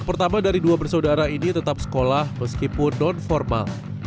pertama dari dua bersaudara ini tetap sekolah meskipun non formal